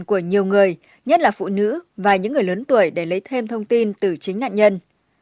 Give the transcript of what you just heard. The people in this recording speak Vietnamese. của nhiều người nhất là phụ nữ và những người lớn tuổi để lấy thêm thông tin từ chính nạn nhân